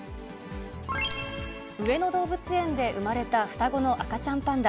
上野動物園で生まれた双子の赤ちゃんパンダ。